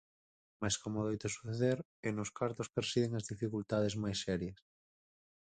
Mais, como adoita suceder, é nos cartos que residen as dificultades máis serias.